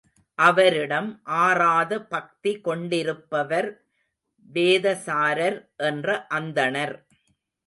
அவரிடம் ஆறாத பக்தி கொண்டிருப்பவர் வேதசாரர் என்ற அந்தணர்.